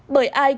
bởi ai cũng đúng